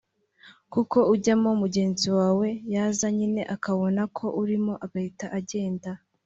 kuko ujyamo mugenzi wawe yaza nyine akabona ko urimo agahita agenda